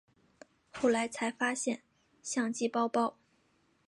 后来才发现相机包包